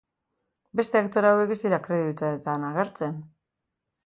Beste aktore hauek ez dira kredituetan agertzen.